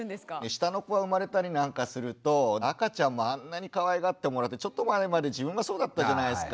下の子が生まれたりなんかすると赤ちゃんもあんなにかわいがってもらってちょっと前まで自分がそうだったじゃないですか。